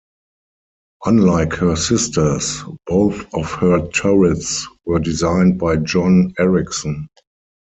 Unlike her sisters, both of her turrets were designed by John Ericsson.